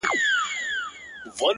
شراب نوشۍ کي مي له تا سره قرآن کړی دی!